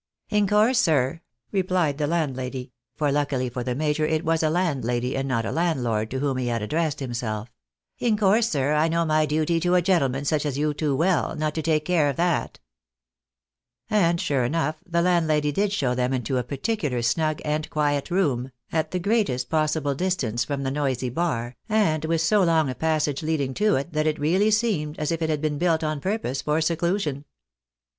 " In course, sir," replied the landlady (for luckily for the major, it was a landlady and not a landlord, to whom he had addressed him self), " in course, sir, I know my duty to a gentleman such as you too well, not to take care of that." A NOBLE SACRIFICE. 325 And sure enough the landlady did show them into a particular snug and quiet room, at the greatest possible distance from the noisy bar, and with so long a passage leading to it that it really seemed as if it had been built on purpose for seclusion.